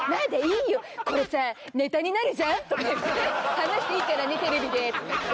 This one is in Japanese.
「話していいからねテレビで」とか言って。